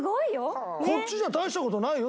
こっちじゃ大した事ないよ